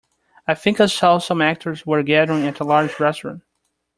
I think I saw some actors were gathering at a large restaurant.